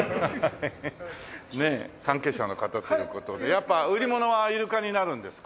ねえ関係者の方という事でやっぱ売り物はイルカになるんですか？